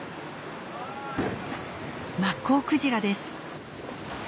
マッコウクジラです。